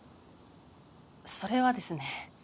それはですね。